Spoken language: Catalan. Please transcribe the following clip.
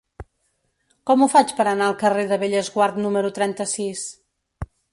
Com ho faig per anar al carrer de Bellesguard número trenta-sis?